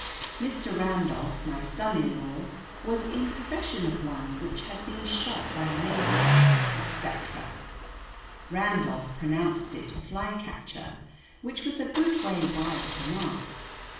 Mr. Randolph, my son in law, was in possession of one which had been shot by a neighbor," etc. Randolph pronounced it a flycatcher, which was a good way wide of the mark.